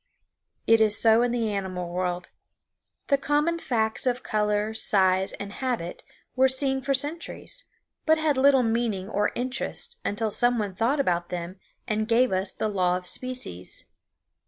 It is so in the animal world. The common facts of color, size, and habit were seen for centuries, but had little meaning or interest until some one thought about them and gave us the law of species.